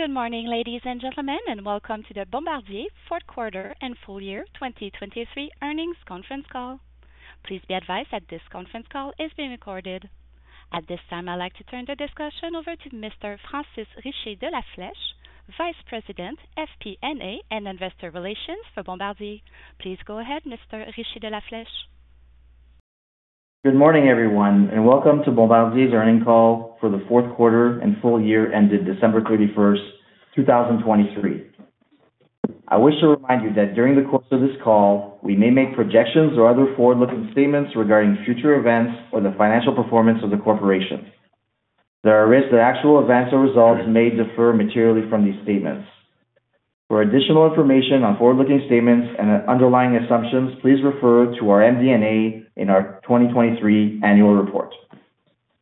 Good morning, ladies and gentlemen, and welcome to the Bombardier fourth quarter and full year 2023 earnings conference call. Please be advised that this conference call is being recorded. At this time, I'd like to turn the discussion over to Mr. Francis Richer de La Flèche, Vice President, FP&A and Investor Relations for Bombardier. Please go ahead, Mr. Richer de La Flèche. Good morning, everyone, and welcome to Bombardier's earnings call for the fourth quarter and full year ended December 31, 2023. I wish to remind you that during the course of this call, we may make projections or other forward-looking statements regarding future events or the financial performance of the corporation. There are risks that actual events or results may differ materially from these statements. For additional information on forward-looking statements and underlying assumptions, please refer to our MD&A in our 2023 annual report.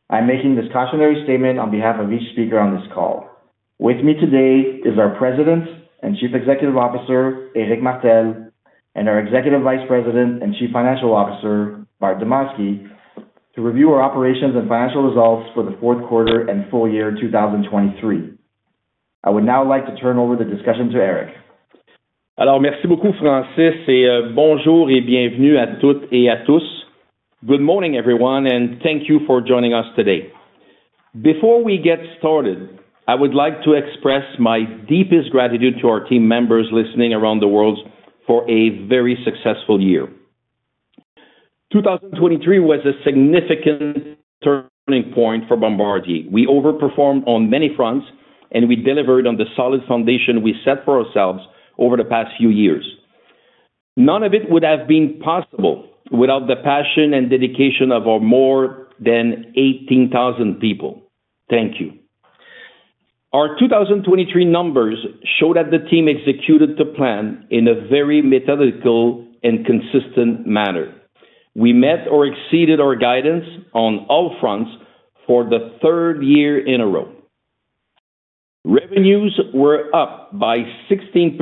I'm making this cautionary statement on behalf of each speaker on this call. With me today is our President and Chief Executive Officer, Éric Martel, and our Executive Vice President and Chief Financial Officer, Bart Demosky, to review our Operations and Financial Results for the Fourth Quarter and Full Year 2023. I would now like to turn over the discussion to Éric. Alors, merci beaucoup, Francis, et bonjour et bienvenue à toutes et à tous. Good morning, everyone, and thank you for joining us today. Before we get started, I would like to express my deepest gratitude to our team members listening around the world for a very successful year. 2023 was a significant turning point for Bombardier. We overperformed on many fronts, and we delivered on the solid foundation we set for ourselves over the past few years. None of it would have been possible without the passion and dedication of our more than 18,000 people. Thank you. Our 2023 numbers show that the team executed the plan in a very methodical and consistent manner. We met or exceeded our guidance on all fronts for the third year in a row. Revenues were up by 16%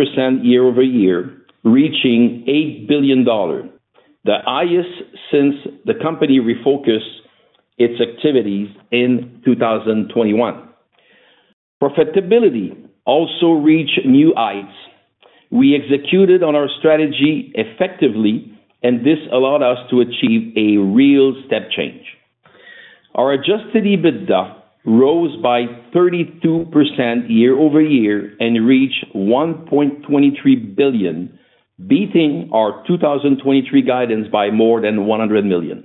year over year, reaching $8 billion, the highest since the company refocused its activities in 2021. Profitability also reached new heights. We executed on our strategy effectively, and this allowed us to achieve a real step change. Our Adjusted EBITDA rose by 32% year over year and reached $1.23 billion, beating our 2023 guidance by more than $100 million.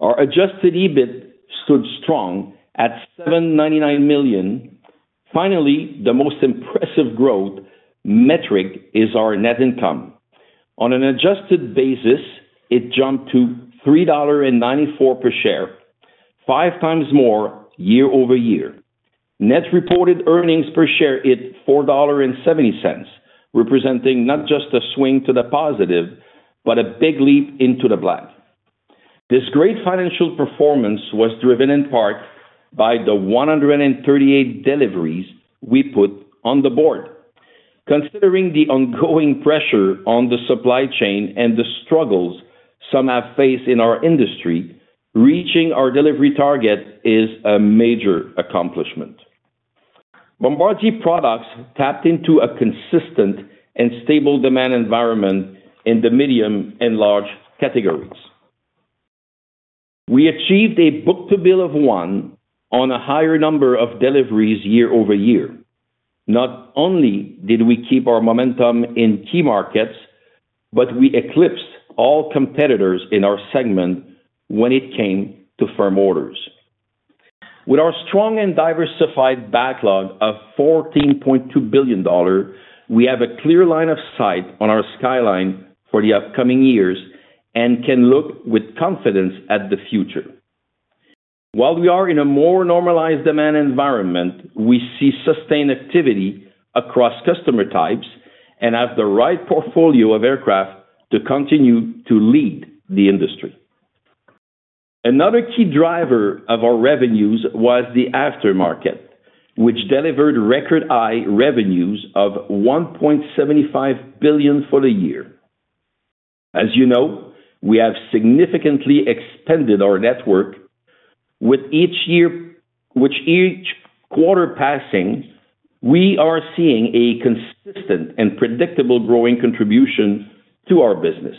Our Adjusted EBIT stood strong at $799 million. Finally, the most impressive growth metric is our net income. On an adjusted basis, it jumped to $3.94 per share, five times more year over year. Net reported earnings per share hit $4.70, representing not just a swing to the positive, but a big leap into the black. This great financial performance was driven in part by the 138 deliveries we put on the board. Considering the ongoing pressure on the supply chain and the struggles some have faced in our industry, reaching our delivery target is a major accomplishment. Bombardier products tapped into a consistent and stable demand environment in the medium and large categories. We achieved a Book-to-Bill of 1 on a higher number of deliveries year-over-year. Not only did we keep our momentum in key markets, but we eclipsed all competitors in our segment when it came to firm orders. With our strong and diversified backlog of $14.2 billion, we have a clear line of sight on our Skyline for the upcoming years and can look with confidence at the future. While we are in a more normalized demand environment, we see sustained activity across customer types and have the right portfolio of aircraft to continue to lead the industry. Another key driver of our revenues was the aftermarket, which delivered record high revenues of $1.75 billion for the year. As you know, we have significantly expanded our network. With each quarter passing, we are seeing a consistent and predictable growing contribution to our business.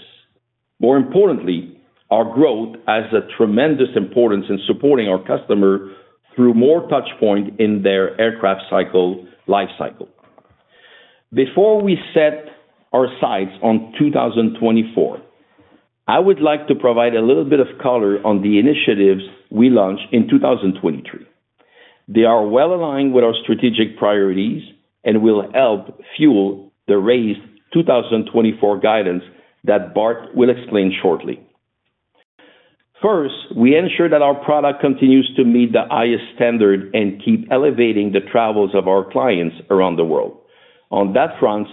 More importantly, our growth has a tremendous importance in supporting our customer through more touch points in their aircraft cycle, life cycle. Before we set our sights on 2024, I would like to provide a little bit of color on the initiatives we launched in 2023. They are well aligned with our strategic priorities and will help fuel the raised 2024 guidance that Bart will explain shortly. First, we ensure that our product continues to meet the highest standard and keep elevating the travels of our clients around the world. On that front,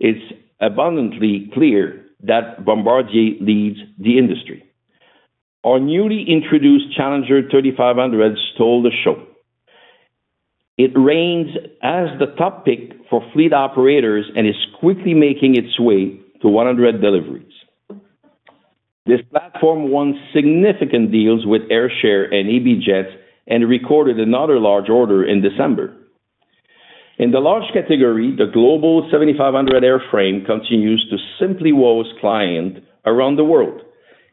it's abundantly clear that Bombardier leads the industry. Our newly introduced Challenger 3500 stole the show. It reigns as the top pick for fleet operators and is quickly making its way to 100 deliveries. This platform won significant deals with Airshare and EB Jets and recorded another large order in December. In the large category, the Global 7500 airframe continues to simply wow its client around the world.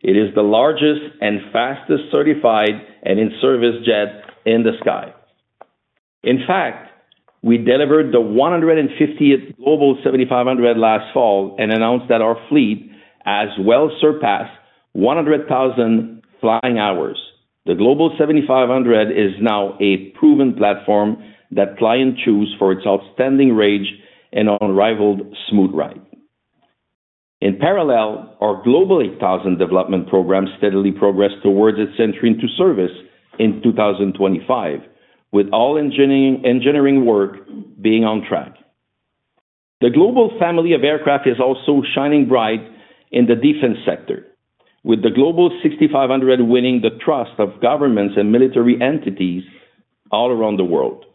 It is the largest and fastest certified and in-service jet in the sky. In fact, we delivered the 150th Global 7500 last fall and announced that our fleet has well surpassed 100,000 flying hours. The Global 7500 is now a proven platform that clients choose for its outstanding range and unrivaled smooth ride. In parallel, our Global 8000 development program steadily progressed towards its entry into service in 2025, with all engineering work being on track. The Global family of aircraft is also shining bright in the defense sector, with the Global 6500 winning the trust of governments and military entities all around the world.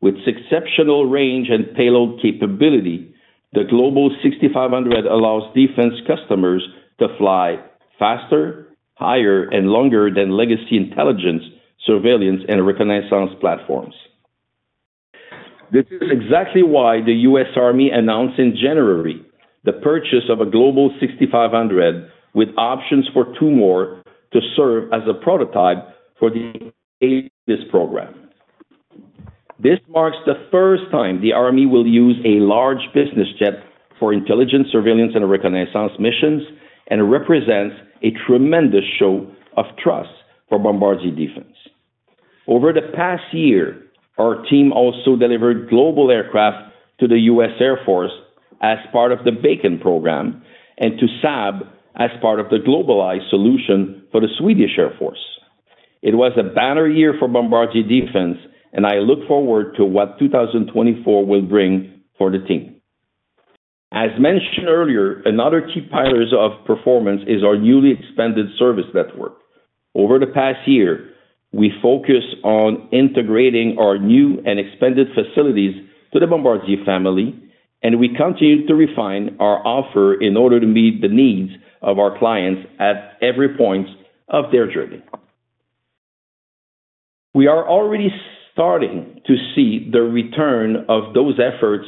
With exceptional range and payload capability, the Global 6500 allows defense customers to fly faster, higher, and longer than legacy intelligence, surveillance, and reconnaissance platforms. This is exactly why the U.S. Army announced in January the purchase of a Global 6500, with options for two more to serve as a prototype for the program. This marks the first time the army will use a large business jet for intelligence, surveillance, and reconnaissance missions, and represents a tremendous show of trust for Bombardier Defense. Over the past year, our team also delivered Global aircraft to the U.S. Air Force as part of the BACN program and to Saab as part of the GlobalEye solution for the Swedish Air Force. It was a banner year for Bombardier Defense, and I look forward to what 2024 will bring for the team. As mentioned earlier, another key pillars of performance is our newly expanded service network. Over the past year, we focused on integrating our new and expanded facilities to the Bombardier family, and we continued to refine our offer in order to meet the needs of our clients at every point of their journey. We are already starting to see the return of those efforts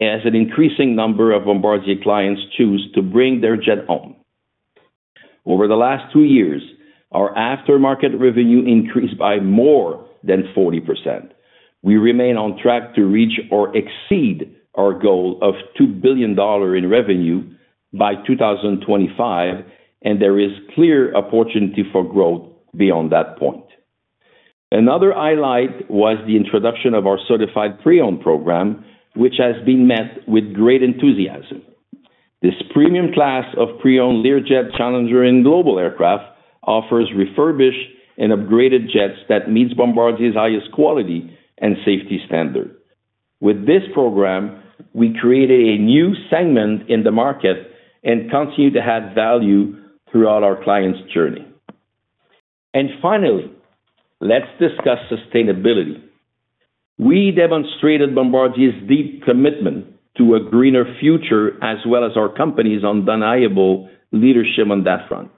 as an increasing number of Bombardier clients choose to bring their jet home. Over the last 2 years, our aftermarket revenue increased by more than 40%. We remain on track to reach or exceed our goal of $2 billion in revenue by 2025, and there is clear opportunity for growth beyond that point. Another highlight was the introduction of our Certified Pre-Owned program, which has been met with great enthusiasm. This premium class of pre-owned Learjet, Challenger, and Global aircraft offers refurbished and upgraded jets that meets Bombardier's highest quality and safety standard. With this program, we created a new segment in the market and continued to add value throughout our clients' journey. Finally, let's discuss sustainability. We demonstrated Bombardier's deep commitment to a greener future, as well as our company's undeniable leadership on that front.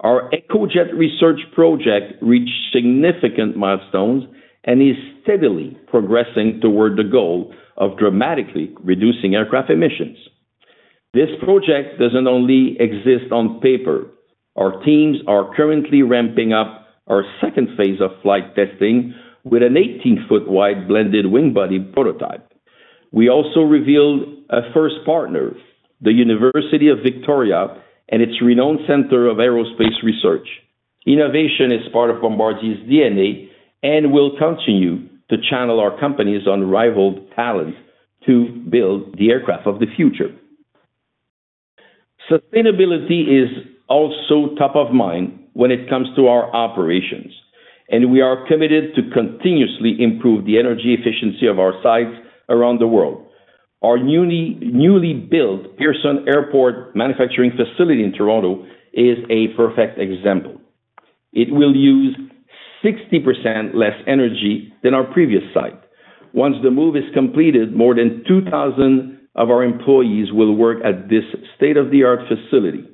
Our EcoJet research project reached significant milestones and is steadily progressing toward the goal of dramatically reducing aircraft emissions. This project doesn't only exist on paper. Our teams are currently ramping up our second phase of flight testing with an 18-foot wide blended wing body prototype. We also revealed a first partner, the University of Victoria, and its renowned Center for Aerospace Research. Innovation is part of Bombardier's DNA and will continue to channel our company's unrivaled talent to build the aircraft of the future. Sustainability is also top of mind when it comes to our operations, and we are committed to continuously improve the energy efficiency of our sites around the world. Our newly built Pearson Airport manufacturing facility in Toronto is a perfect example. It will use 60% less energy than our previous site. Once the move is completed, more than 2,000 of our employees will work at this state-of-the-art facility.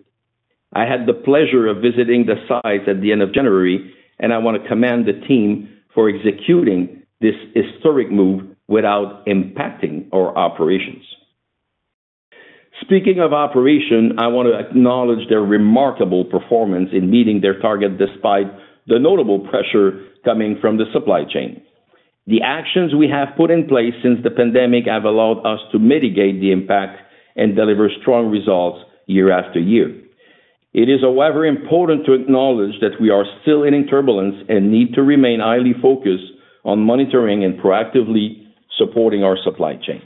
I had the pleasure of visiting the site at the end of January, and I want to commend the team for executing this historic move without impacting our operations. Speaking of operation, I want to acknowledge their remarkable performance in meeting their target, despite the notable pressure coming from the supply chain. The actions we have put in place since the pandemic have allowed us to mitigate the impact and deliver strong results year after year. It is, however, important to acknowledge that we are still in turbulence and need to remain highly focused on monitoring and proactively supporting our supply chain.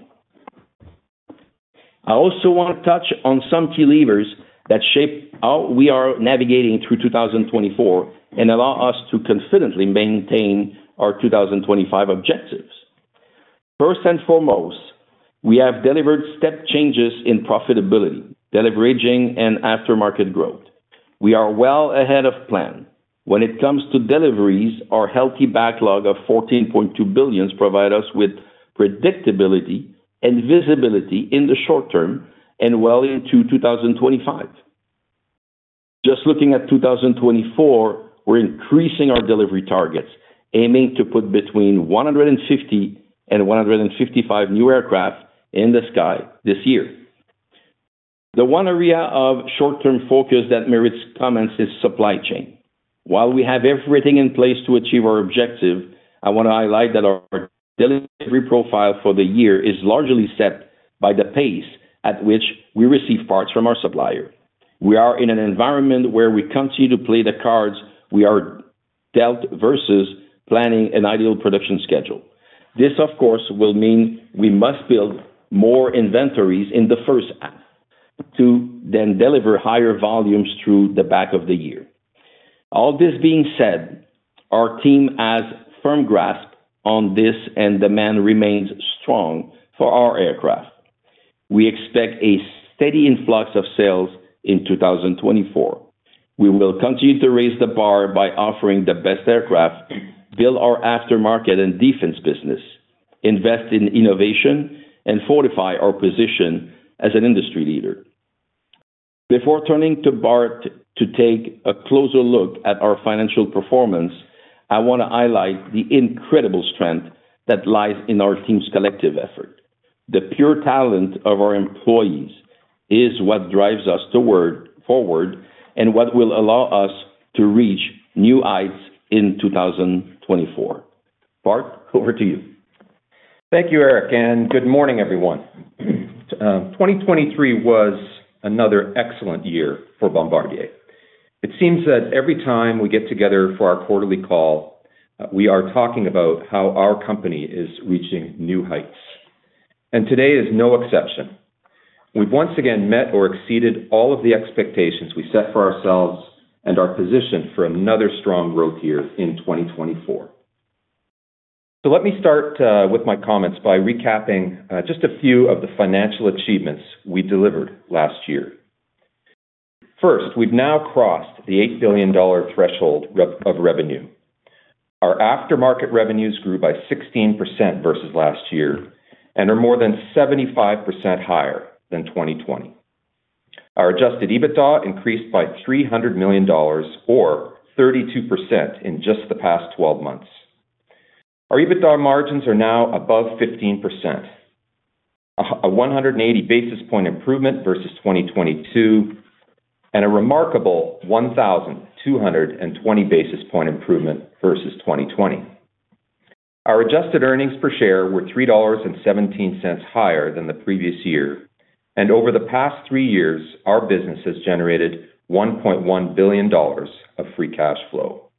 I also want to touch on some key levers that shape how we are navigating through 2024 and allow us to confidently maintain our 2025 objectives. First and foremost, we have delivered step changes in profitability, deleveraging, and aftermarket growth. We are well ahead of plan. When it comes to deliveries, our healthy backlog of $14.2 billion provides us with predictability and visibility in the short term and well into 2025. Just looking at 2024, we're increasing our delivery targets, aiming to put between 150-155 new aircraft in the sky this year. The one area of short-term focus that merits comments is supply chain. While we have everything in place to achieve our objective, I want to highlight that our delivery profile for the year is largely set by the pace at which we receive parts from our supplier. We are in an environment where we continue to play the cards we are dealt versus planning an ideal production schedule. This, of course, will mean we must build more inventories in the first half to then deliver higher volumes through the back of the year. All this being said, our team has firm grasp on this, and demand remains strong for our aircraft. We expect a steady influx of sales in 2024. We will continue to raise the bar by offering the best aircraft, build our aftermarket and defense business, invest in innovation, and fortify our position as an industry leader. Before turning to Bart to take a closer look at our financial performance, I want to highlight the incredible strength that lies in our team's collective effort. The pure talent of our employees is what drives us forward, and what will allow us to reach new heights in 2024. Bart, over to you. Thank you, Éric, and good morning, everyone. 2023 was another excellent year for Bombardier. It seems that every time we get together for our quarterly call, we are talking about how our company is reaching new heights, and today is no exception. We've once again met or exceeded all of the expectations we set for ourselves and are positioned for another strong growth year in 2024. So let me start with my comments by recapping just a few of the financial achievements we delivered last year. First, we've now crossed the $8 billion threshold of revenue. Our aftermarket revenues grew by 16% versus last year and are more than 75% higher than 2020. Our adjusted EBITDA increased by $300 million, or 32% in just the past 12 months. Our EBITDA margins are now above 15%, a 180 basis point improvement versus 2022, and a remarkable 1,220 basis point improvement versus 2020. Our adjusted earnings per share were $3.17 higher than the previous year, and over the past three years, our business has generated $1.1 billion of free cash flow.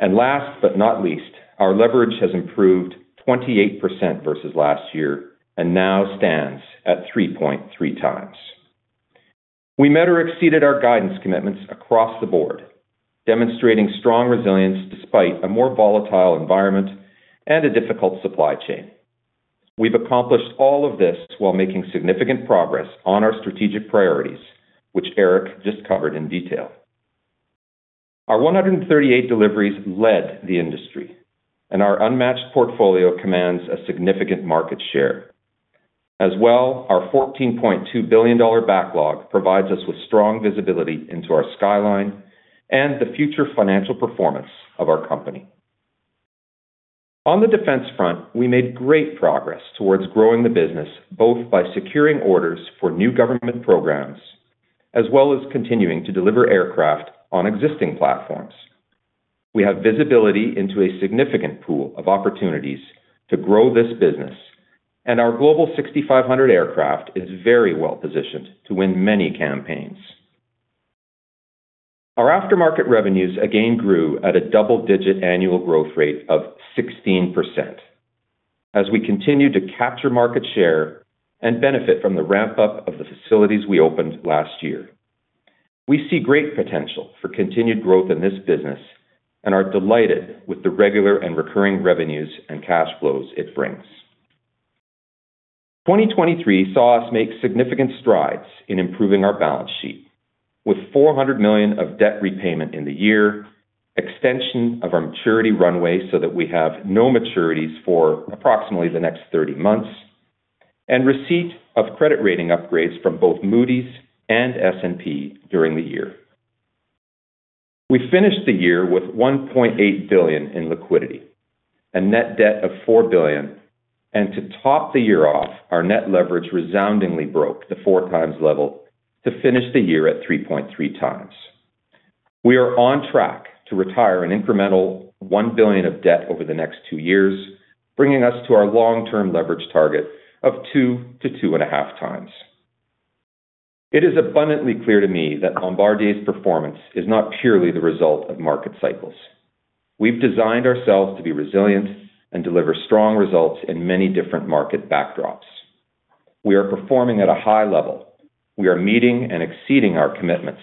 Last but not least, our leverage has improved 28% versus last year and now stands at 3.3 times. We met or exceeded our guidance commitments across the board, demonstrating strong resilience despite a more volatile environment and a difficult supply chain. We've accomplished all of this while making significant progress on our strategic priorities, which Éric just covered in detail. Our 138 deliveries led the industry, and our unmatched portfolio commands a significant market share. As well, our $14.2 billion backlog provides us with strong visibility into our skyline and the future financial performance of our company. On the defense front, we made great progress towards growing the business, both by securing orders for new government programs, as well as continuing to deliver aircraft on existing platforms. We have visibility into a significant pool of opportunities to grow this business, and our Global 6500 aircraft is very well positioned to win many campaigns. Our aftermarket revenues again grew at a double-digit annual growth rate of 16% as we continue to capture market share and benefit from the ramp-up of the facilities we opened last year. We see great potential for continued growth in this business and are delighted with the regular and recurring revenues and cash flows it brings. 2023 saw us make significant strides in improving our balance sheet, with $400 million of debt repayment in the year, extension of our maturity runway so that we have no maturities for approximately the next 30 months, and receipt of credit rating upgrades from both Moody's and S&P during the year. We finished the year with $1.8 billion in liquidity and net debt of $4 billion, and to top the year off, our net leverage resoundingly broke the 4 times level to finish the year at 3.3 times. We are on track to retire an incremental $1 billion of debt over the next two years, bringing us to our long-term leverage target of 2-2.5 times. It is abundantly clear to me that Bombardier's performance is not purely the result of market cycles. We've designed ourselves to be resilient and deliver strong results in many different market backdrops. We are performing at a high level. We are meeting and exceeding our commitments.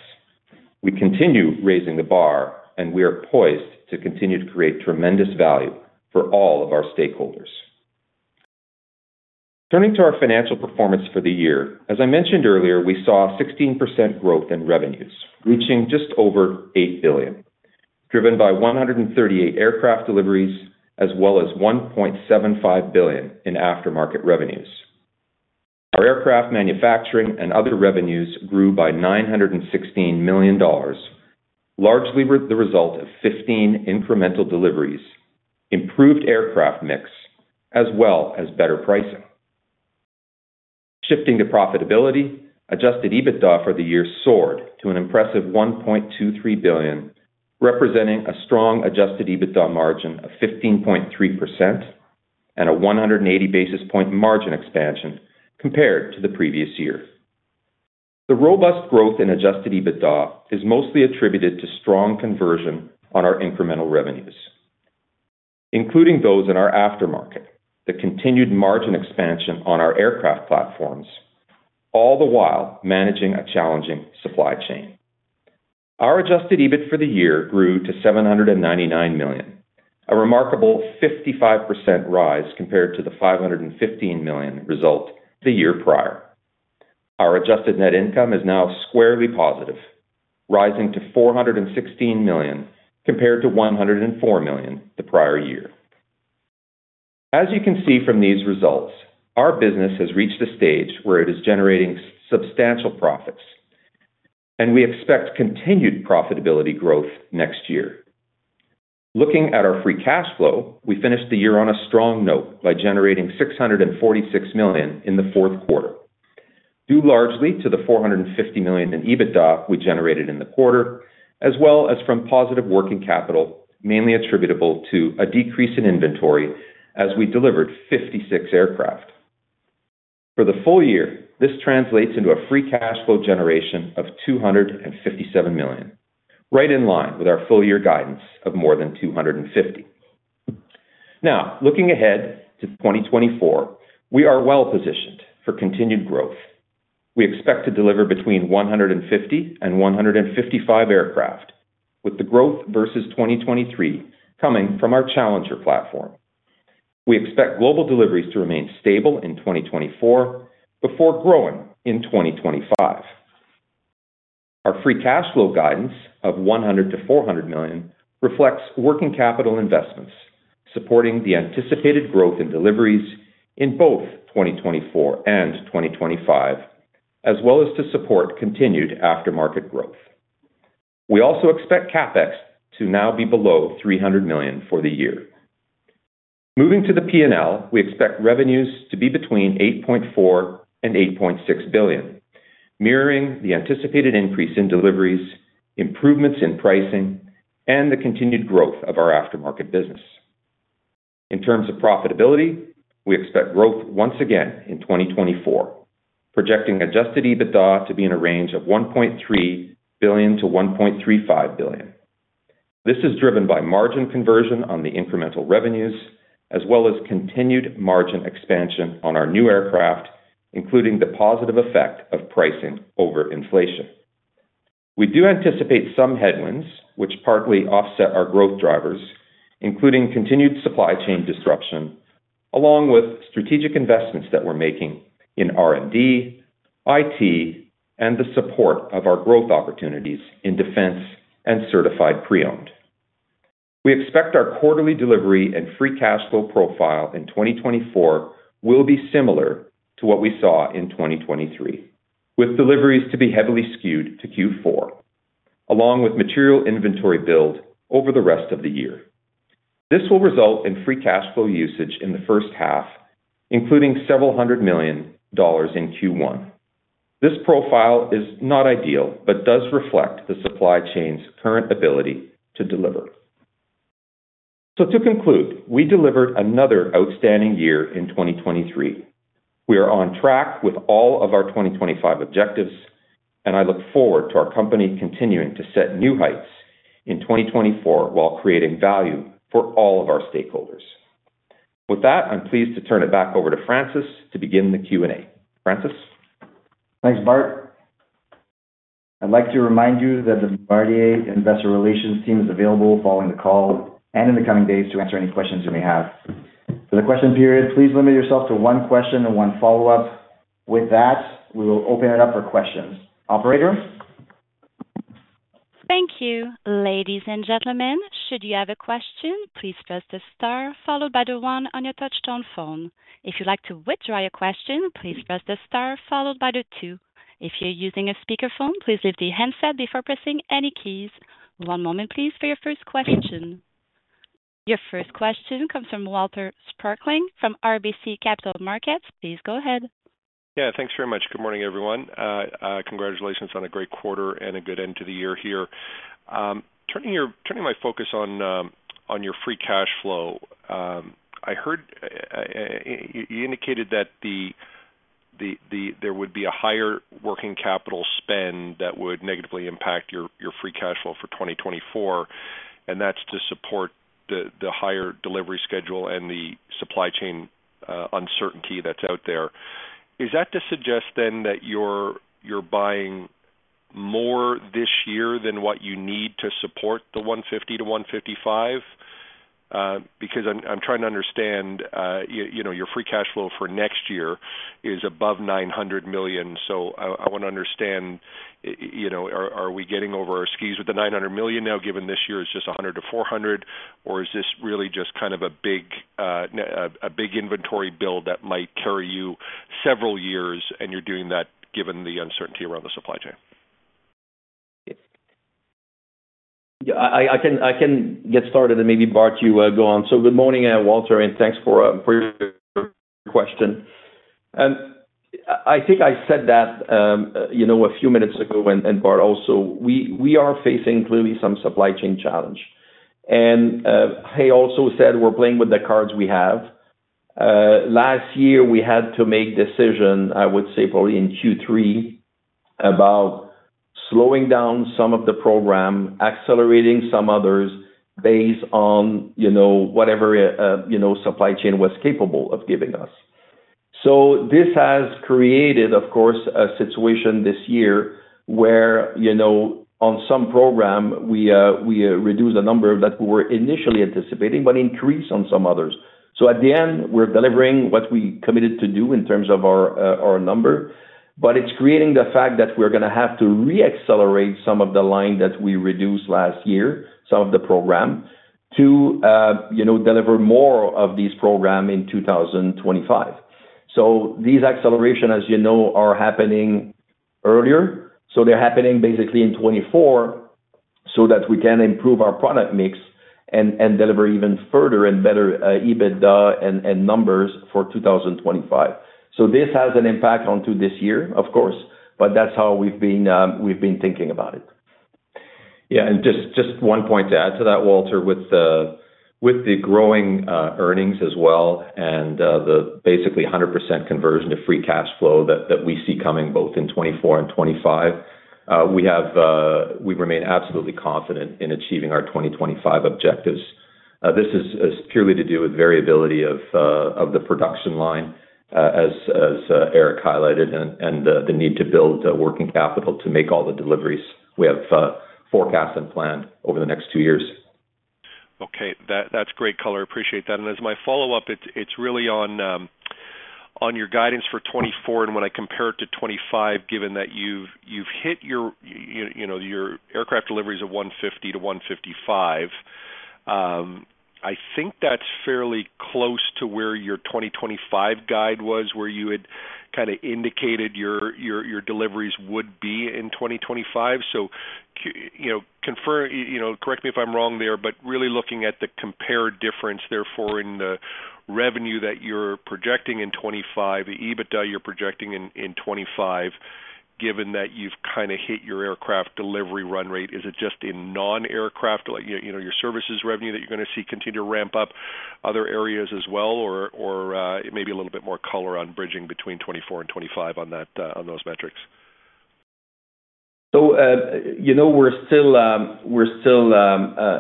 We continue raising the bar, and we are poised to continue to create tremendous value for all of our stakeholders. Turning to our financial performance for the year, as I mentioned earlier, we saw 16% growth in revenues, reaching just over $8 billion, driven by 138 aircraft deliveries, as well as $1.75 billion in aftermarket revenues. Our aircraft manufacturing and other revenues grew by $916 million, largely the result of 15 incremental deliveries, improved aircraft mix, as well as better pricing. Shifting to profitability, adjusted EBITDA for the year soared to an impressive $1.23 billion, representing a strong adjusted EBITDA margin of 15.3% and a 180 basis point margin expansion compared to the previous year. The robust growth in adjusted EBITDA is mostly attributed to strong conversion on our incremental revenues, including those in our aftermarket, the continued margin expansion on our aircraft platforms, all the while managing a challenging supply chain. Our adjusted EBIT for the year grew to $799 million, a remarkable 55% rise compared to the $515 million result the year prior. Our adjusted net income is now squarely positive, rising to $416 million, compared to $104 million the prior year. As you can see from these results, our business has reached a stage where it is generating substantial profits, and we expect continued profitability growth next year. Looking at our free cash flow, we finished the year on a strong note by generating $646 million in the fourth quarter, due largely to the $450 million in EBITDA we generated in the quarter, as well as from positive working capital, mainly attributable to a decrease in inventory as we delivered 56 aircraft. For the full year, this translates into a free cash flow generation of $257 million, right in line with our full year guidance of more than $250 million. Now, looking ahead to 2024, we are well positioned for continued growth. We expect to deliver between 150-155 aircraft, with the growth versus 2023 coming from our Challenger platform. We expect global deliveries to remain stable in 2024 before growing in 2025. Our free cash flow guidance of $100 million-$400 million reflects working capital investments, supporting the anticipated growth in deliveries in both 2024 and 2025, as well as to support continued aftermarket growth. We also expect CapEx to now be below $300 million for the year. Moving to the P&L, we expect revenues to be between $8.4 billion and $8.6 billion, mirroring the anticipated increase in deliveries, improvements in pricing, and the continued growth of our aftermarket business. In terms of profitability, we expect growth once again in 2024, projecting Adjusted EBITDA to be in a range of $1.3 billion-$1.35 billion. This is driven by margin conversion on the incremental revenues, as well as continued margin expansion on our new aircraft, including the positive effect of pricing over inflation. We do anticipate some headwinds, which partly offset our growth drivers, including continued supply chain disruption, along with strategic investments that we're making in R&D, IT, and the support of our growth opportunities in defense and Certified Pre-Owned. We expect our quarterly delivery and free cash flow profile in 2024 will be similar to what we saw in 2023, with deliveries to be heavily skewed to Q4, along with material inventory build over the rest of the year. This will result in free cash flow usage in the first half, including $several hundred million in Q1. This profile is not ideal, but does reflect the supply chain's current ability to deliver. So to conclude, we delivered another outstanding year in 2023. We are on track with all of our 2025 objectives, and I look forward to our company continuing to set new heights in 2024 while creating value for all of our stakeholders. With that, I'm pleased to turn it back over to Francis to begin the Q&A. Francis? Thanks, Bart. I'd like to remind you that the Bombardier Investor Relations team is available following the call and in the coming days to answer any questions you may have. For the question period, please limit yourself to one question and one follow-up. With that, we will open it up for questions. Operator? Thank you. Ladies and gentlemen, should you have a question, please press the star followed by the one on your touchtone phone. If you'd like to withdraw your question, please press the star followed by the two. If you're using a speakerphone, please lift the handset before pressing any keys. One moment, please, for your first question. Your first question comes from Walter Spracklin from RBC Capital Markets. Please go ahead. Yeah, thanks very much. Good morning, everyone. Congratulations on a great quarter and a good end to the year here. Turning my focus on your free cash flow, I heard you indicated that there would be a higher working capital spend that would negatively impact your free cash flow for 2024, and that's to support the higher delivery schedule and the supply chain uncertainty that's out there. Is that to suggest then that you're buying more this year than what you need to support the 150-155? Because I'm trying to understand, you know, your free cash flow for next year is above $900 million. So I wanna understand, you know, are we getting over our skis with the $900 million now, given this year is just $100 million-$400 million? Or is this really just kind of a big inventory build that might carry you several years, and you're doing that given the uncertainty around the supply chain? Yeah, I can get started, and maybe, Bart, you go on. So good morning, Walter, and thanks for your question. And I think I said that, you know, a few minutes ago, and Bart, also, we are facing clearly some supply chain challenge. And he also said we're playing with the cards we have. Last year, we had to make decision, I would say probably in Q3, about slowing down some of the program, accelerating some others, based on, you know, whatever, you know, supply chain was capable of giving us. So this has created, of course, a situation this year where, you know, on some program, we reduced the number that we were initially anticipating, but increased on some others. So at the end, we're delivering what we committed to do in terms of our, our number, but it's creating the fact that we're gonna have to reaccelerate some of the line that we reduced last year, some of the program, to, you know, deliver more of these program in 2025. So these acceleration, as you know, are happening earlier. So they're happening basically in 2024, so that we can improve our product mix and, and deliver even further and better, EBITDA and, and numbers for 2025. So this has an impact onto this year, of course, but that's how we've been, we've been thinking about it. Yeah, and just one point to add to that, Walter. With the growing earnings as well and the basically 100% conversion to free cash flow that we see coming both in 2024 and 2025, we remain absolutely confident in achieving our 2025 objectives. This is purely to do with variability of the production line, as Éric highlighted, and the need to build working capital to make all the deliveries we have forecast and planned over the next two years. Okay. That, that's great color. I appreciate that. As my follow-up, it's, it's really on your guidance for 2024, and when I compare it to 2025, given that you've, you've hit your, you, you know, your aircraft deliveries of 150-155. I think that's fairly close to where your 2025 guide was, where you had kinda indicated your, your, your deliveries would be in 2025. So, you know, confirm, you, you know, correct me if I'm wrong there, but really looking at the compared difference, therefore, in the revenue that you're projecting in 2025, the EBITDA you're projecting in 2025, given that you've kinda hit your aircraft delivery run rate, is it just in non-aircraft, like, you, you know, your services revenue that you're gonna see continue to ramp up other areas as well? Maybe a little bit more color on bridging between 2024-2025 on that, on those metrics? So, you know, we're still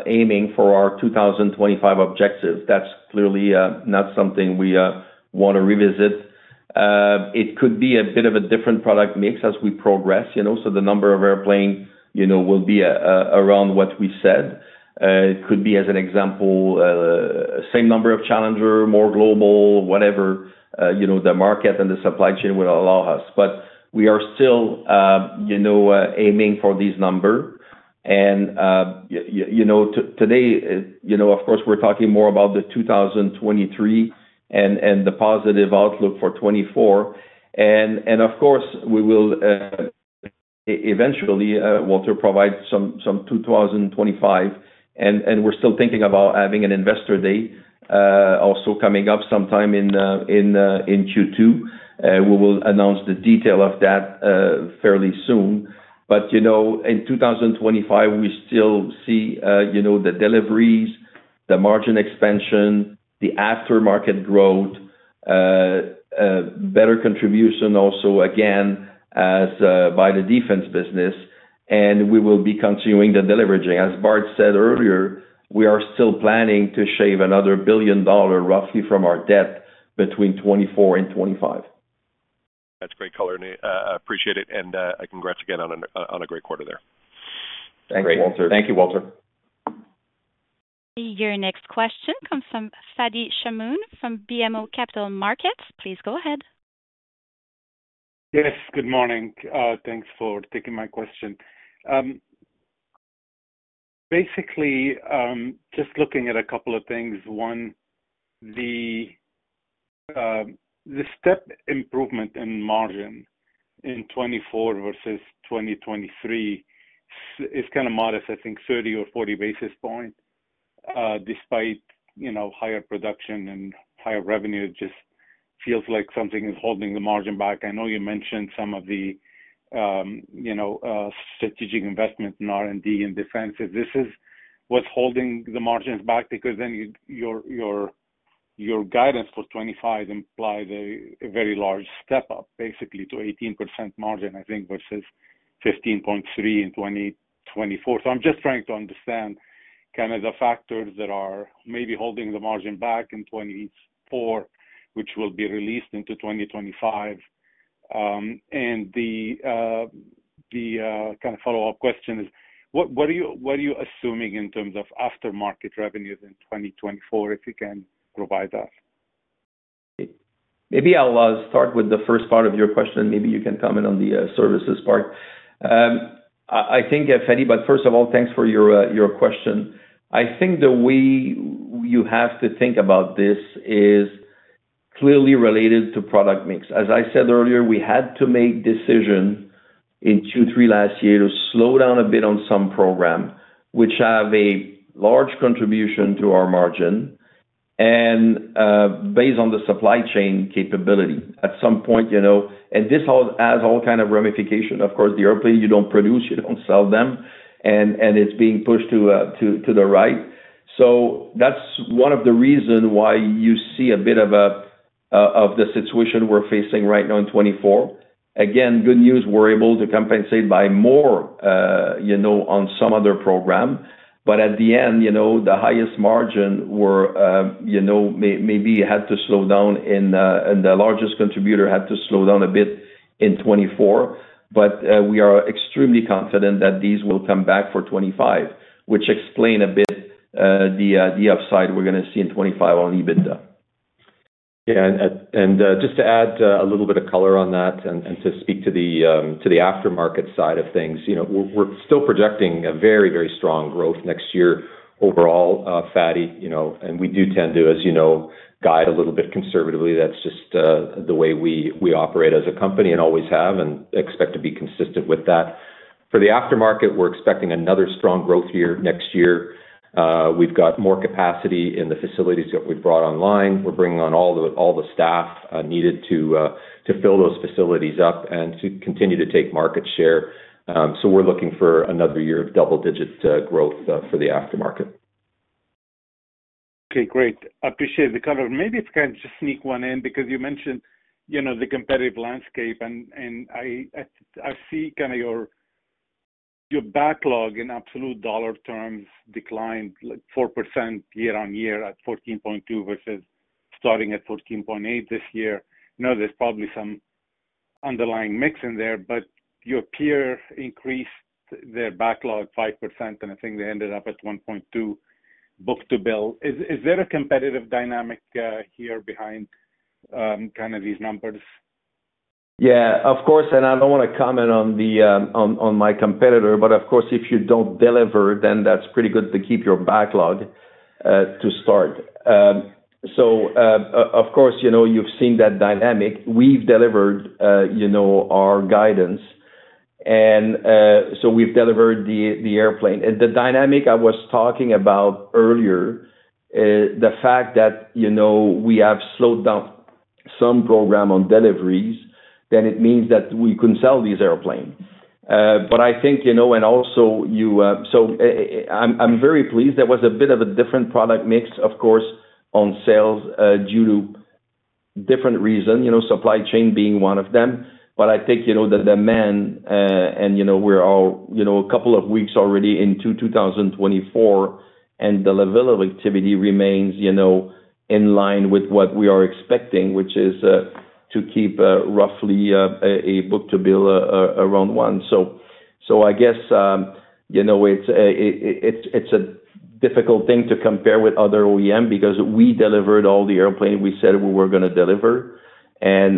aiming for our 2025 objective. That's clearly not something we want to revisit. It could be a bit of a different product mix as we progress, you know, so the number of airplanes, you know, will be around what we said. It could be, as an example, same number of Challenger, more Global, whatever, you know, the market and the supply chain would allow us. But we are still, you know, aiming for this number. And, you know, today, you know, of course, we're talking more about the 2023 and the positive outlook for 2024. Of course, we will eventually, Walter, provide some 2025, and we're still thinking about having an investor day also coming up sometime in Q2. We will announce the detail of that fairly soon. But you know, in 2025, we still see you know, the deliveries, the margin expansion, the aftermarket growth, better contribution also, again, as by the defense business, and we will be continuing the deleveraging. As Bart said earlier, we are still planning to shave another $1 billion, roughly from our debt, between 2024 and 2025. That's great color, and I appreciate it, and congrats again on a great quarter there. Thanks, Walter. Thank you, Walter. Your next question comes from Fadi Chamoun, from BMO Capital Markets. Please go ahead. Yes, good morning. Thanks for taking my question. Basically, just looking at a couple of things. One, the step improvement in margin in 2024 versus 2023 is kinda modest, I think 30 or 40 basis points, despite, you know, higher production and higher revenue. It just feels like something is holding the margin back. I know you mentioned some of the, you know, strategic investment in R&D and defense. This is what's holding the margins back? Because then your guidance for 2025 implies a very large step up, basically to 18% margin, I think, versus 15.3% in 2024. So I'm just trying to understand kinda the factors that are maybe holding the margin back in 2024, which will be released into 2025. And the kind of follow-up question is what are you assuming in terms of after-market revenues in 2024, if you can provide us? Maybe I'll start with the first part of your question, and maybe you can comment on the services part. I think, Fadi, but first of all, thanks for your question. I think the way you have to think about this is clearly related to product mix. As I said earlier, we had to make decision in Q3 last year to slow down a bit on some program, which have a large contribution to our margin and based on the supply chain capability. At some point, you know, and this all has all kind of ramification, of course, the airplane you don't produce, you don't sell them, and it's being pushed to the right. So that's one of the reason why you see a bit of a situation we're facing right now in 2024. Again, good news, we're able to compensate by more, you know, on some other program. But at the end, you know, the highest margin were, you know, maybe had to slow down and, and the largest contributor had to slow down a bit in 2024. But, we are extremely confident that these will come back for 2025, which explain a bit, the upside we're gonna see in 2025 on EBITDA. Yeah, just to add a little bit of color on that and to speak to the aftermarket side of things. You know, we're still projecting a very, very strong growth next year overall, Fadi, you know, and we do tend to, as you know, guide a little bit conservatively. That's just the way we operate as a company and always have, and expect to be consistent with that. For the aftermarket, we're expecting another strong growth year next year. We've got more capacity in the facilities that we've brought online. We're bringing on all the staff needed to fill those facilities up and to continue to take market share. So we're looking for another year of double digits growth for the aftermarket. Okay, great. Appreciate the color. Maybe if I can just sneak one in, because you mentioned, you know, the competitive landscape, and I see kind of your backlog in absolute dollar terms declined, like, 4% year-over-year at $14.2 billion versus starting at $14.8 billion this year. I know there's probably some underlying mix in there, but your peer increased their backlog 5%, and I think they ended up at 1.2 book-to-bill. Is there a competitive dynamic here behind kind of these numbers? Yeah, of course, and I don't wanna comment on my competitor, but of course, if you don't deliver, then that's pretty good to keep your backlog to start. So, of course, you know, you've seen that dynamic. We've delivered, you know, our guidance, and so we've delivered the airplane. And the dynamic I was talking about earlier is the fact that, you know, we have slowed down some program on deliveries, then it means that we couldn't sell these airplanes. But I think, you know, and also. So, I'm very pleased there was a bit of a different product mix, of course, on sales, due to different reasons, you know, supply chain being one of them. But I think, you know, the demand, and, you know, we're all, you know, a couple of weeks already into 2024, and the level of activity remains, you know, in line with what we are expecting, which is to keep roughly a book-to-bill around 1. So I guess, you know, it's a difficult thing to compare with other OEM because we delivered all the airplane we said we were gonna deliver, and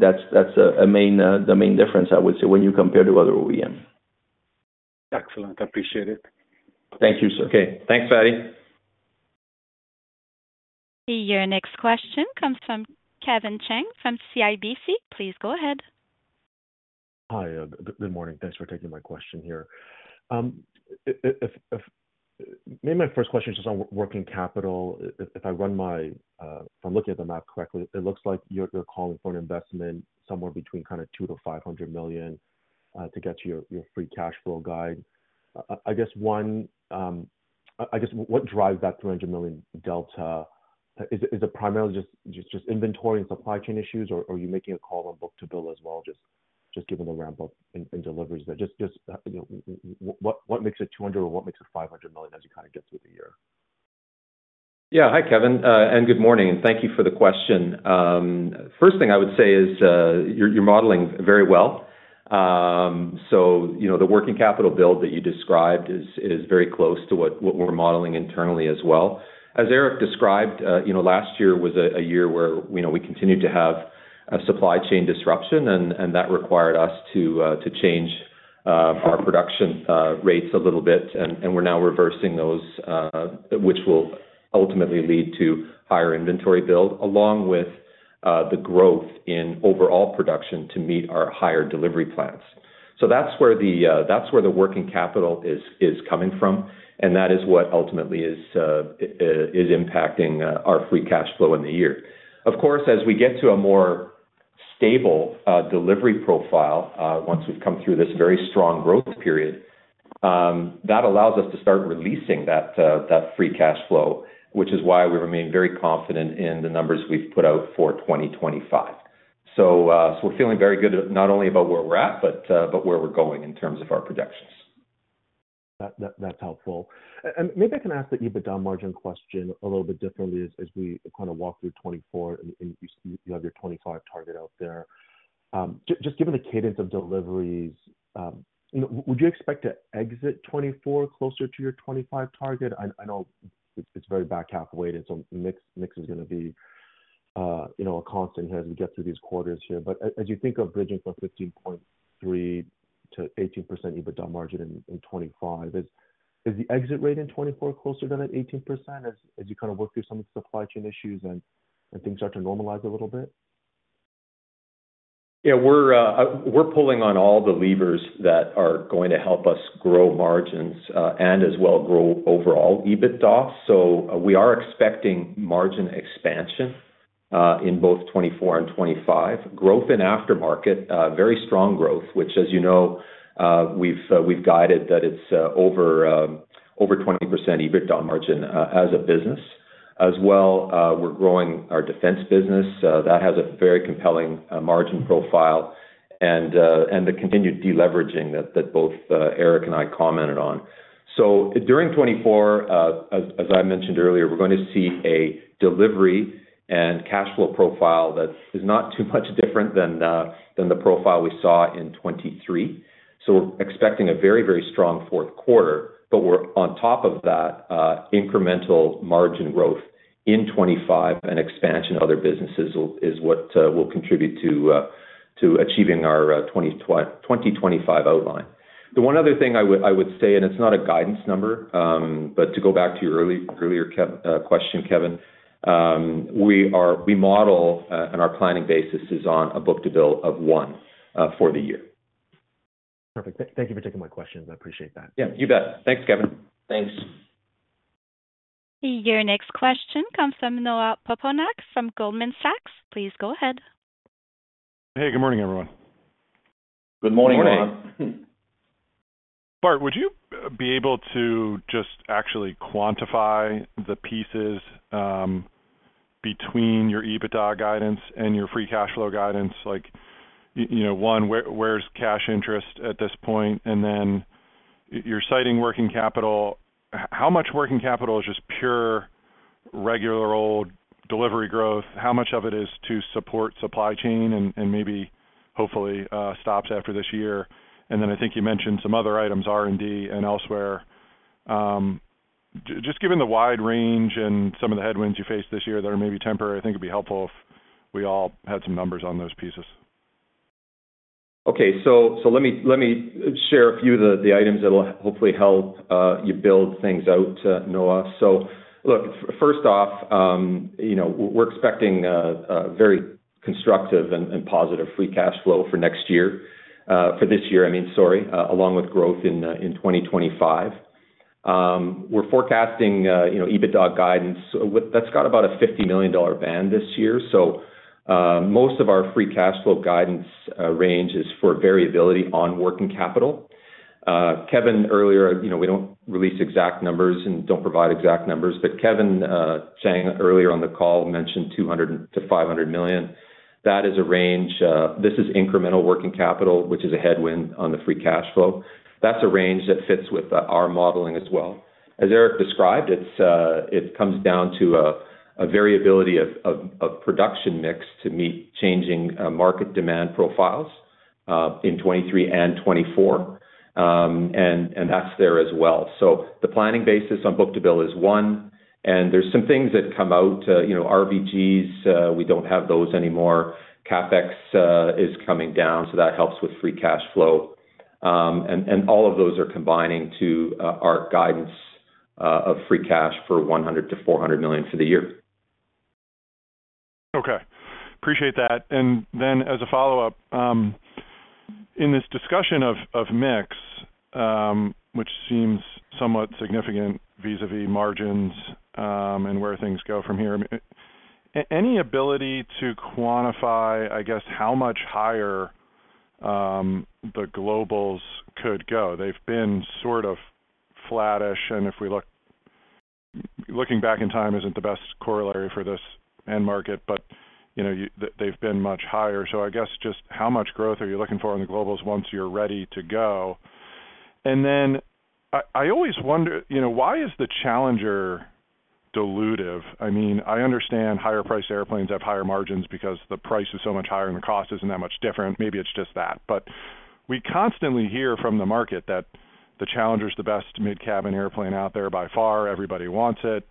that's the main difference, I would say, when you compare to other OEM. Excellent. I appreciate it. Thank you, sir. Okay, thanks, Fadi. Your next question comes from Kevin Chiang, from CIBC. Please go ahead. Hi, good morning. Thanks for taking my question here. If maybe my first question is just on working capital. If I run my... If I'm looking at the map correctly, it looks like you're calling for an investment somewhere between kind of $200 million-$500 million to get to your free cash flow guide. I guess one, I guess what drives that $200 million delta? Is it primarily just inventory and supply chain issues, or are you making a call on book-to-bill as well? Just given the ramp up in deliveries there. Just, you know, what makes it $200, or what makes it $500 million as you kind of get through the year? Yeah. Hi, Kevin, and good morning, and thank you for the question. First thing I would say is, you're, you're modeling very well. So, you know, the working capital build that you described is, it is very close to what, what we're modeling internally as well. As Éric described, you know, last year was a year where, you know, we continued to have a supply chain disruption, and that required us to change our production rates a little bit, and we're now reversing those, which will ultimately lead to higher inventory build, along with the growth in overall production to meet our higher delivery plans. So that's where the working capital is coming from, and that is what ultimately is impacting our free cash flow in the year. Of course, as we get to a more stable delivery profile, once we've come through this very strong growth period, that allows us to start releasing that free cash flow, which is why we remain very confident in the numbers we've put out for 2025. So we're feeling very good, not only about where we're at, but where we're going in terms of our projections. That, that's helpful. And maybe I can ask the EBITDA margin question a little bit differently as we kind of walk through 2024, and you see you have your 2025 target out there. Just given the cadence of deliveries, you know, would you expect to exit 2024 closer to your 2025 target? I know it's very back half weighted, so mix is going to be a constant as we get through these quarters here. But as you think of bridging from 15.3%-18% EBITDA margin in 2025, is the exit rate in 2024 closer than at 18% as you kind of work through some of the supply chain issues and things start to normalize a little bit? Yeah, we're pulling on all the levers that are going to help us grow margins, and as well, grow overall EBITDA. So we are expecting margin expansion in both 2024 and 2025. Growth in aftermarket, very strong growth, which, as you know, we've guided that it's over 20% EBITDA margin as a business. As well, we're growing our defense business. That has a very compelling margin profile and the continued deleveraging that both Éric and I commented on. So during 2024, as I mentioned earlier, we're going to see a delivery and cash flow profile that is not too much different than the profile we saw in 2023. So we're expecting a very, very strong fourth quarter, but on top of that, incremental margin growth in 25 and expansion of other businesses will—is what will contribute to achieving our 2025 outline. The one other thing I would say, and it's not a guidance number, but to go back to your earlier Kevin question, Kevin, we model and our planning basis is on a book-to-bill of 1 for the year. Perfect. Thank you for taking my questions. I appreciate that. Yeah, you bet. Thanks, Kevin. Thanks. Your next question comes from Noah Poponak from Goldman Sachs. Please go ahead. Hey, good morning, everyone. Good morning, Noah. Good morning. Bart, would you be able to just actually quantify the pieces, between your EBITDA guidance and your free cash flow guidance? Like, you know, one, where, where's cash interest at this point? And then you're citing working capital. How much working capital is just pure, regular, old delivery growth? How much of it is to support supply chain and, and maybe hopefully, stops after this year? And then I think you mentioned some other items, R&D and elsewhere. Just given the wide range and some of the headwinds you faced this year that are maybe temporary, I think it'd be helpful if we all had some numbers on those pieces. Okay. So let me share a few of the items that will hopefully help you build things out, Noah. So look, first off, you know, we're expecting a very constructive and positive free cash flow for next year, for this year, I mean, sorry, along with growth in 2025. We're forecasting, you know, EBITDA guidance. With... That's got about a $50 million band this year. So, most of our free cash flow guidance range is for variability on working capital. Kevin, earlier, you know, we don't release exact numbers and don't provide exact numbers, but Kevin saying earlier on the call, mentioned $200 million-$500 million. That is a range, this is incremental working capital, which is a headwind on the free cash flow. That's a range that fits with our modeling as well. As Éric described, it's it comes down to a variability of production mix to meet changing market demand profiles in 2023 and 2024. And that's there as well. So the planning basis on book-to-bill is 1, and there's some things that come out, you know, RBGs, we don't have those anymore. CapEx is coming down, so that helps with free cash flow. And all of those are combining to our guidance of free cash for $100 million-$400 million for the year. Okay, appreciate that. And then, as a follow-up, in this discussion of mix, which seems somewhat significant vis-a-vis margins, and where things go from here, any ability to quantify, I guess, how much higher the globals could go? They've been sort of flattish, and if we looking back in time isn't the best corollary for this end market, but, you know, they've been much higher. So I guess just how much growth are you looking for in the globals once you're ready to go? And then I always wonder, you know, why is the Challenger dilutive? I mean, I understand higher priced airplanes have higher margins because the price is so much higher and the cost isn't that much different. Maybe it's just that. But we constantly hear from the market that the Challenger is the best mid-cabin airplane out there by far. Everybody wants it.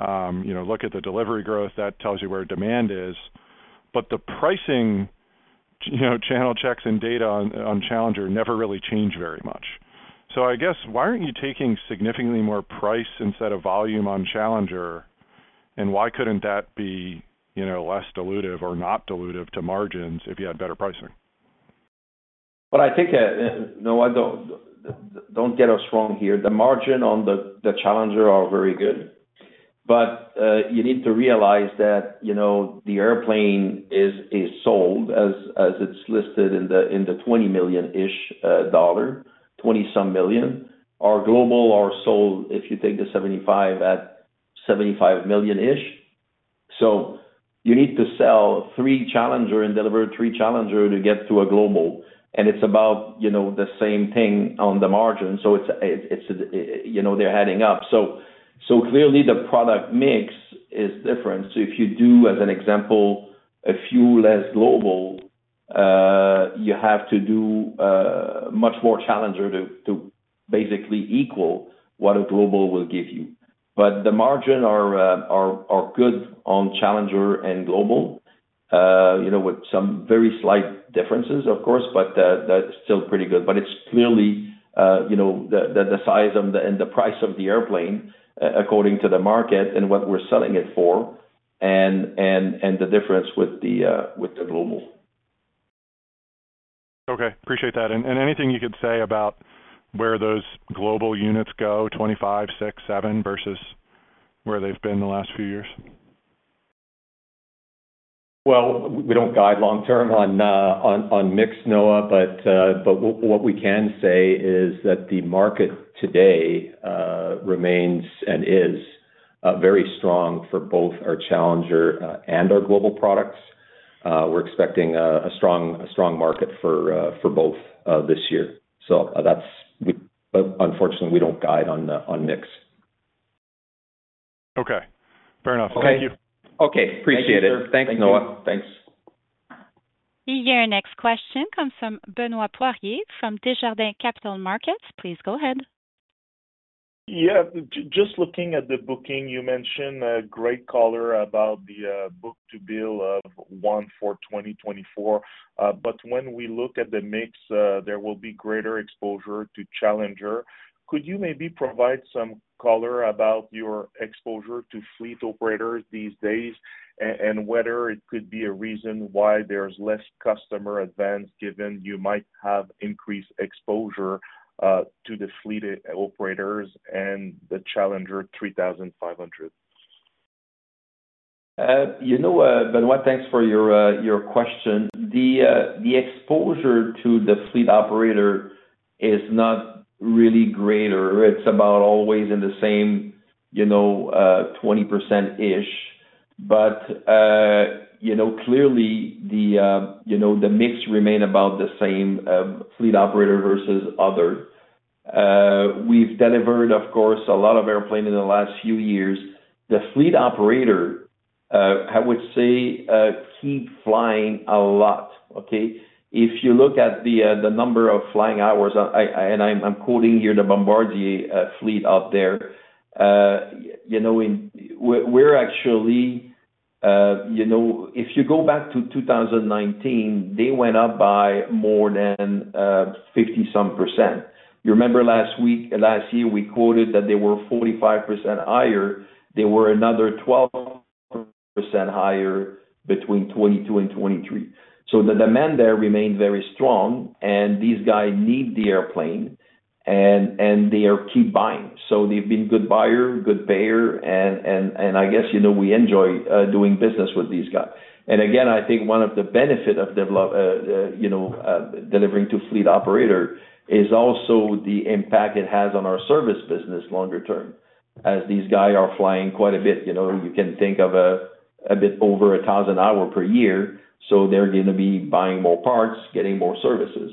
You know, look at the delivery growth, that tells you where demand is. But the pricing, you know, channel checks and data on, on Challenger never really change very much. So I guess why aren't you taking significantly more price instead of volume on Challenger? And why couldn't that be, you know, less dilutive or not dilutive to margins if you had better pricing? But I think, Noah, don't, don't get us wrong here. The margin on the, the Challenger are very good. But, you need to realize that, you know, the airplane is, is sold as, as it's listed in the, in the $20 million-ish, dollar, $20-some million. Our Global are sold, if you take the seventy-five, at $75 million-ish. So you need to sell three Challenger and deliver three Challenger to get to a Global, and it's about, you know, the same thing on the margin. So it's, it, it's, you know, they're adding up. So, so clearly the product mix is different. So if you do, as an example, a few less Global, you have to do, much more Challenger to, to basically equal what a Global will give you. But the margins are good on Challenger and Global, you know, with some very slight differences, of course, but that's still pretty good. But it's clearly, you know, the size of and the price of the airplane according to the market and what we're selling it for, and the difference with the Global. Okay, appreciate that. And, and anything you could say about where those Global units go, 25, 26, 27, versus where they've been in the last few years? Well, we don't guide long term on mix, Noah, but what we can say is that the market today remains and is very strong for both our Challenger and our Global products. We're expecting a strong market for both this year. So that's, but unfortunately, we don't guide on the mix. Okay, fair enough. Okay. Thank you. Okay, appreciate it. Thank you, sir. Thanks, Noah. Thanks. Your next question comes from Benoit Poirier, from Desjardins Capital Markets. Please go ahead. Yeah, just looking at the backlog, you mentioned great color about the Book-to-Bill of 1 for 2024. But when we look at the mix, there will be greater exposure to Challenger. Could you maybe provide some color about your exposure to fleet operators these days, and whether it could be a reason why there's less customer advance, given you might have increased exposure to the fleet operators and the Challenger 3500? You know, Benoit, thanks for your question. The exposure to the fleet operator is not really greater. It's about always in the same, you know, 20%-ish. But, you know, clearly the, you know, the mix remain about the same, fleet operator versus others. We've delivered, of course, a lot of airplane in the last few years. The fleet operator, I would say, keep flying a lot, okay? If you look at the number of flying hours, and I'm quoting here the Bombardier fleet out there, you know, in-- we're actually, you know, if you go back to 2019, they went up by more than 50-some%. You remember last year, we quoted that they were 45% higher. They were another 12% higher between 2022 and 2023. So the demand there remains very strong, and these guys need the airplane, and they are keep buying. So they've been good buyer, good payer, and I guess, you know, we enjoy doing business with these guys. And again, I think one of the benefit of delivering to fleet operator is also the impact it has on our service business longer term, as these guy are flying quite a bit. You know, you can think of a bit over 1,000 hours per year, so they're gonna be buying more parts, getting more services.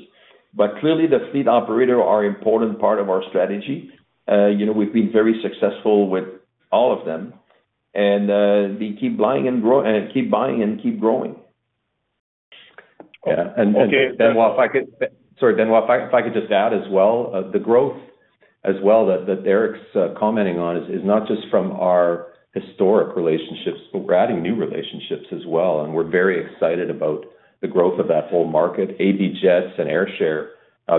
But clearly, the fleet operator are important part of our strategy. You know, we've been very successful with all of them, and they keep buying and keep growing. Yeah, and Benoit, if I could, sorry, Benoit, if I could just add as well, the growth as well that Éric's commenting on is not just from our historic relationships, but we're adding new relationships as well, and we're very excited about the growth of that whole market. EB Jets and Airshare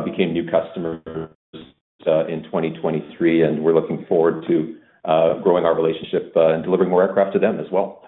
became new customers in 2023, and we're looking forward to growing our relationship and delivering more aircraft to them as well.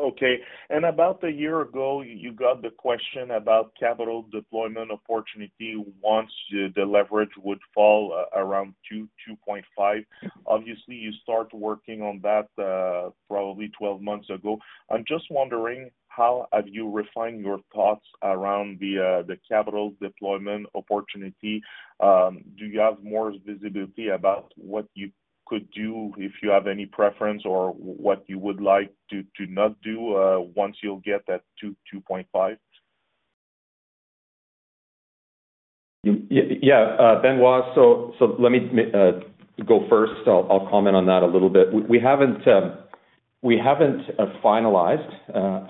Okay. And about a year ago, you got the question about capital deployment opportunity once the leverage would fall around 2-2.5. Obviously, you start working on that, probably 12 months ago. I'm just wondering: how have you refined your thoughts around the capital deployment opportunity? Do you have more visibility about what you could do if you have any preference or what you would like to not do, once you'll get that 2-2.5? Yeah, Benoit, so let me go first. I'll comment on that a little bit. We haven't finalized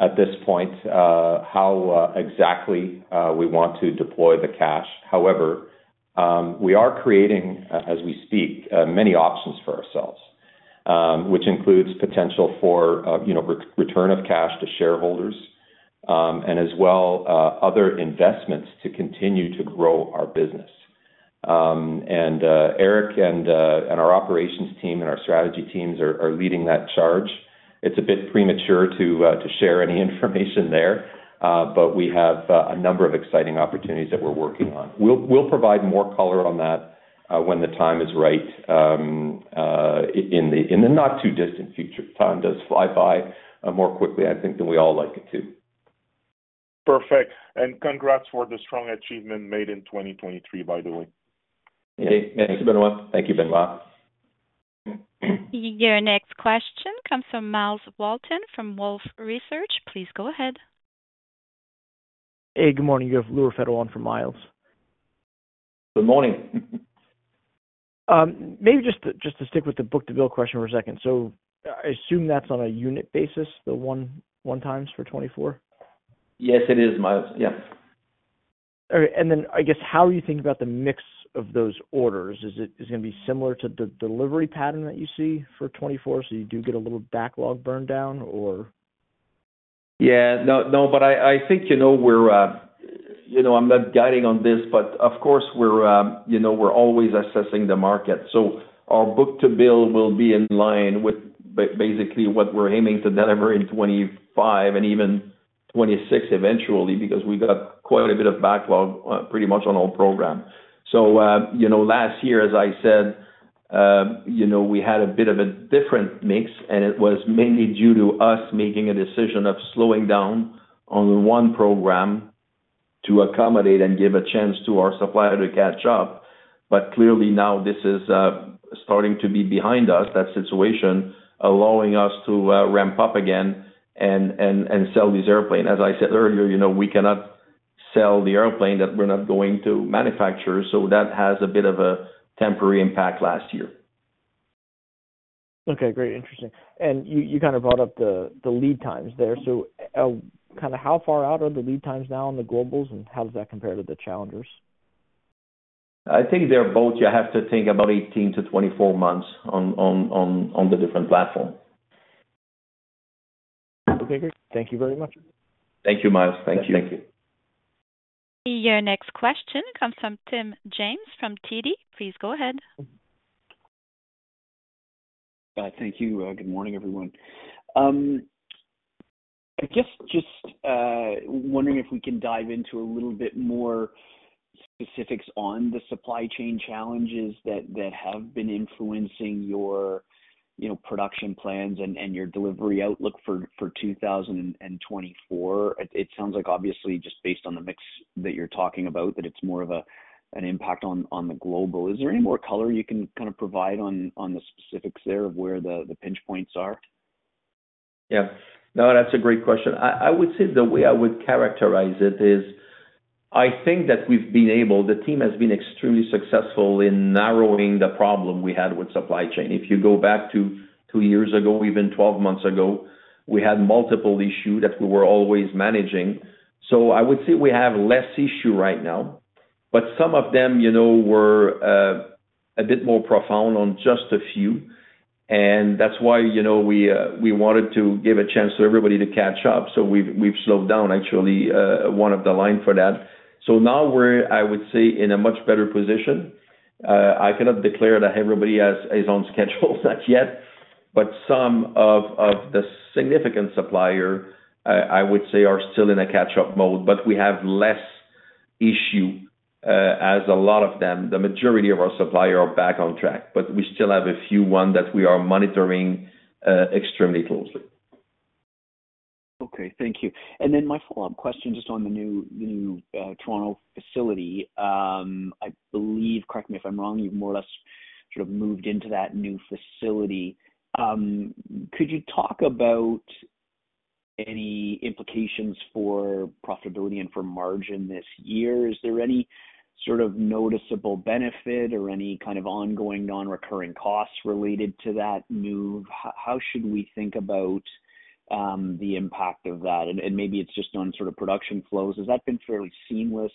at this point how exactly we want to deploy the cash. However, we are creating as we speak many options for ourselves, which includes potential for, you know, return of cash to shareholders, and as well, other investments to continue to grow our business. And Éric and our operations team and our strategy teams are leading that charge. It's a bit premature to share any information there, but we have a number of exciting opportunities that we're working on. We'll provide more color on that when the time is right, in the not too distant future. Time does fly by, more quickly, I think, than we all like it to. Perfect, and congrats for the strong achievement made in 2023, by the way. Okay, thank you, Benoit. Thank you, Benoit. Your next question comes from Miles Walton from Wolfe Research. Please go ahead. Hey, good morning. You have Lewer Federal on for Miles. Good morning. Maybe just, just to stick with the Book-to-Bill question for a second. I assume that's on a unit basis, the 1.1 times for 2024? Yes, it is, Miles. Yeah. All right. And then, I guess, how do you think about the mix of those orders? Is it, is it gonna be similar to the delivery pattern that you see for 2024, so you do get a little backlog burn down, or? Yeah. No, no, but I think, you know, we're, you know, I'm not guiding on this, but of course, we're, you know, we're always assessing the market. So our book-to-bill will be in line with basically what we're aiming to deliver in 2025 and even 2026 eventually, because we got quite a bit of backlog, pretty much on all programs. So, you know, last year, as I said, you know, we had a bit of a different mix, and it was mainly due to us making a decision of slowing down on one program to accommodate and give a chance to our supplier to catch up. But clearly, now this is starting to be behind us, that situation, allowing us to ramp up again and sell this airplane. As I said earlier, you know, we cannot sell the airplane that we're not going to manufacture, so that has a bit of a temporary impact last year. Okay, great. Interesting. And you kind of brought up the lead times there. So, kinda how far out are the lead times now on the globals, and how does that compare to the challengers? I think they're both. I have to think about 18-24 months on the different platform. Okay. Thank you very much. Thank you, Miles. Thank you. Thank you. Your next question comes from Tim James, from TD. Please go ahead. Thank you. Good morning, everyone. I guess, just wondering if we can dive into a little bit more specifics on the supply chain challenges that have been influencing your, you know, production plans and your delivery outlook for 2024. It sounds like obviously just based on the mix that you're talking about, that it's more of a, an impact on the Global. Is there any more color you can kind of provide on the specifics there of where the pinch points are? Yeah. No, that's a great question. I, I would say the way I would characterize it is, I think that we've been able—the team has been extremely successful in narrowing the problem we had with supply chain. If you go back to 2 years ago, even 12 months ago, we had multiple issues that we were always managing. So I would say we have less issue right now, but some of them, you know, were a bit more profound on just a few, and that's why, you know, we wanted to give a chance to everybody to catch up. So we've, we've slowed down, actually, one of the line for that. So now we're, I would say, in a much better position. I cannot declare that everybody has, is on schedule not yet, but some of, of the significant supplier, I would say, are still in a catch-up mode, but we have less issue, as a lot of them, the majority of our supplier are back on track. But we still have a few one that we are monitoring, extremely closely. Okay, thank you. And then my follow-up question, just on the new Toronto facility. I believe, correct me if I'm wrong, you've more or less sort of moved into that new facility. Could you talk about any implications for profitability and for margin this year? Is there any sort of noticeable benefit or any kind of ongoing non-recurring costs related to that move? How should we think about the impact of that? And maybe it's just on sort of production flows. Has that been fairly seamless?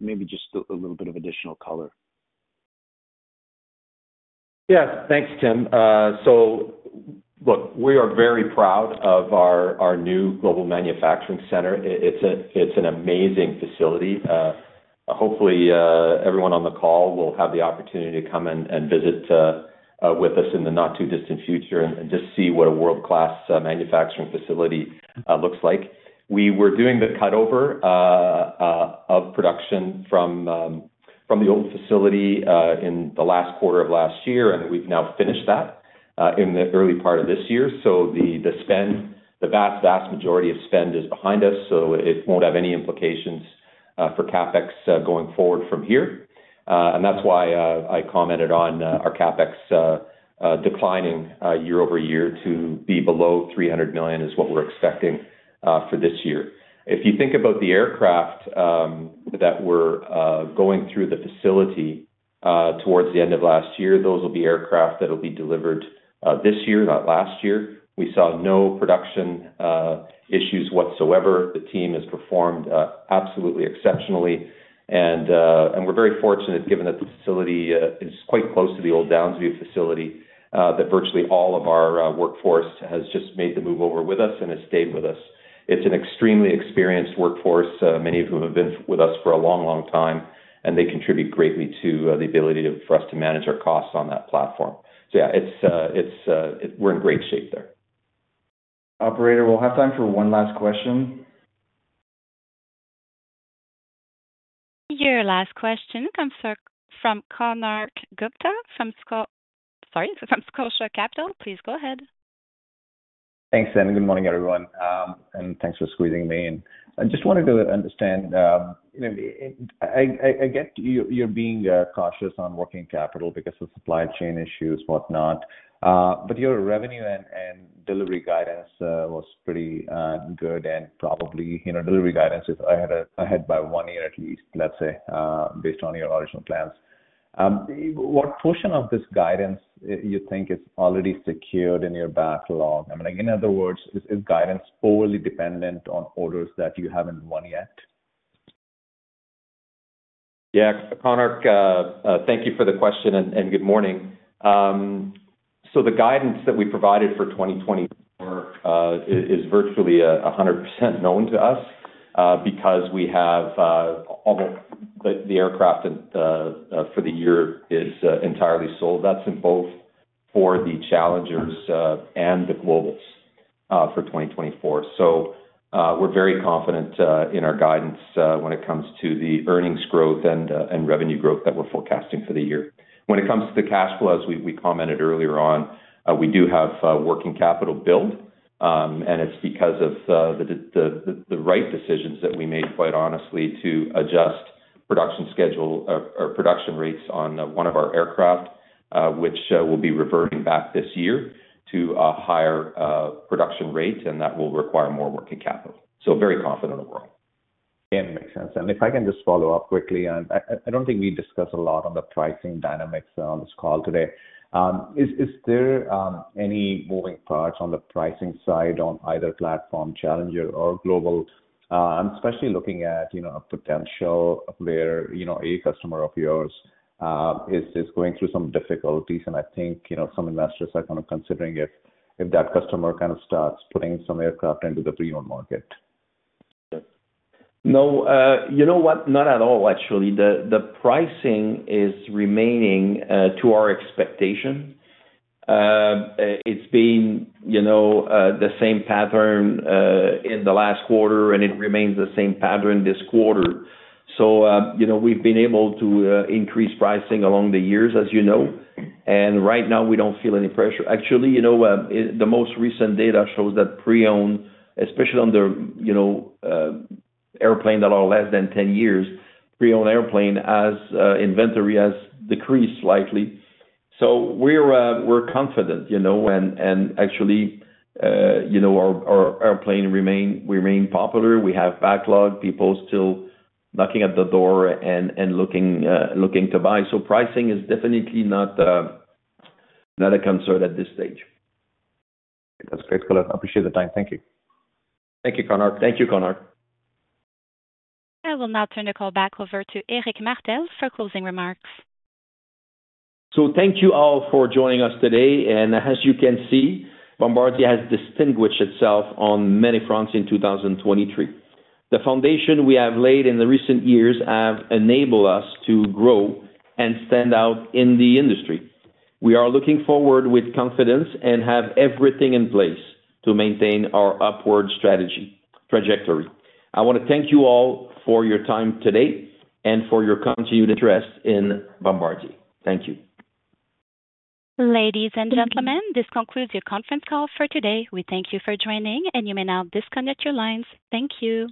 Maybe just a little bit of additional color. Yeah. Thanks, Tim. So look, we are very proud of our new Global manufacturing center. It's an amazing facility. Hopefully, everyone on the call will have the opportunity to come and visit with us in the not-too-distant future and just see what a world-class manufacturing facility looks like. We were doing the cutover of production from the old facility in the last quarter of last year, and we've now finished that in the early part of this year. So the spend, the vast majority of spend is behind us, so it won't have any implications for CapEx going forward from here. And that's why I commented on our CapEx declining year-over-year to be below $300 million, is what we're expecting for this year. If you think about the aircraft that were going through the facility towards the end of last year, those will be aircraft that will be delivered this year, not last year. We saw no production issues whatsoever. The team has performed absolutely exceptionally, and we're very fortunate, given that the facility is quite close to the old Downsview facility, that virtually all of our workforce has just made the move over with us and has stayed with us. It's an extremely experienced workforce, many of whom have been with us for a long, long time, and they contribute greatly to the ability for us to manage our costs on that platform. So yeah, we're in great shape there. Operator, we'll have time for one last question. Your last question comes from Konark Gupta from Scotia Capital. Please go ahead. Thanks, and good morning, everyone. Thanks for squeezing me in. I just wanted to understand, you know, I get you, you're being cautious on working capital because of supply chain issues, whatnot. But your revenue and delivery guidance was pretty good and probably, you know, delivery guidance is ahead by one year at least, let's say, based on your original plans. What portion of this guidance, you think is already secured in your backlog? I mean, like, in other words, is guidance overly dependent on orders that you haven't won yet? Yeah, Konark, thank you for the question and good morning. So the guidance that we provided for 2024 is virtually 100% known to us because we have almost the aircraft that for the year is entirely sold. That's in both for the Challengers and the Globals for 2024. So we're very confident in our guidance when it comes to the earnings growth and revenue growth that we're forecasting for the year. When it comes to the cash flow, as we commented earlier on, we do have working capital build, and it's because of the right decisions that we made, quite honestly, to adjust production schedule or production rates on one of our aircraft, which will be reverting back this year to a higher production rate, and that will require more working capital. So very confident overall. Yeah, makes sense. And if I can just follow up quickly, I don't think we discussed a lot on the pricing dynamics on this call today. Is there any moving parts on the pricing side on either platform, Challenger or Global? I'm especially looking at, you know, a potential where, you know, a customer of yours is going through some difficulties. And I think, you know, some investors are kind of considering if that customer kind of starts putting some aircraft into the pre-owned market. No, you know what? Not at all, actually. The pricing is remaining to our expectation. It's been, you know, the same pattern in the last quarter, and it remains the same pattern this quarter. So, you know, we've been able to increase pricing along the years, as you know, and right now, we don't feel any pressure. Actually, you know, the most recent data shows that pre-owned, especially on the, you know, airplane that are less than 10 years, pre-owned airplane as inventory has decreased slightly. So we're confident, you know, and actually, you know, our airplane remain popular. We have backlog, people still knocking at the door and looking to buy. So pricing is definitely not a concern at this stage. That's great. I appreciate the time. Thank you. Thank you, Konark. Thank you, Konark. I will now turn the call back over to Éric Martel for closing remarks. So thank you all for joining us today, and as you can see, Bombardier has distinguished itself on many fronts in 2023. The foundation we have laid in the recent years have enabled us to grow and stand out in the industry. We are looking forward with confidence and have everything in place to maintain our upward strategy- trajectory. I want to thank you all for your time today and for your continued interest in Bombardier. Thank you. Ladies and gentlemen, this concludes your conference call for today. We thank you for joining, and you may now disconnect your lines. Thank you.